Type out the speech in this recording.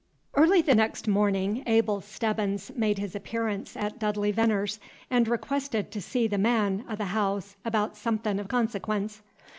Early the next morning Abel Stebbins made his appearance at Dudley Veneer's, and requested to see the maan o' the haouse abaout somethin' o' consequence.